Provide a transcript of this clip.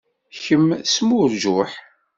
Kemm smurǧuḥ.